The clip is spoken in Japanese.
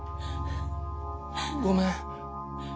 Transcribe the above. ごめん。